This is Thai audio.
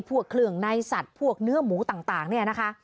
พวกเครื่องในสัตว์พวกเนื้อหมูต่างเนี่ยนะคะ